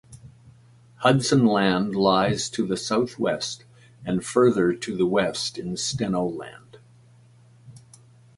Hudson Land lies to the southwest and further to the west is Steno Land.